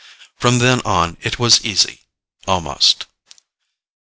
From then on, it was easy almost.